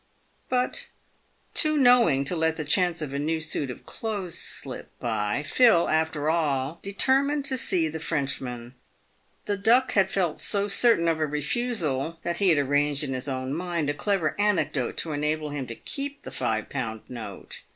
But, too knowing to let the chance of a new suit of clothes slip by, Phil, after all, determined to see the Frenchman. The Duck had felt so certain of a refusal, that he had arranged in his own mind a clever anecdote to enable him to keep the five pound note.